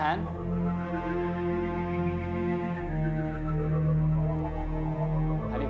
kamu ngasih ragu bertemu rino